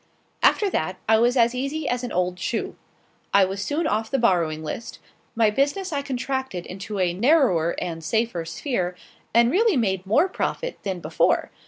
After that, I was as easy as an old shoe. I was soon off the borrowing list; my business I contracted into a narrower and safer sphere, and really made more profit than before.